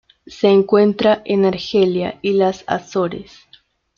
Se encuentra en Argelia y las Azores.